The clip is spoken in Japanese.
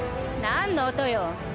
何の音よ？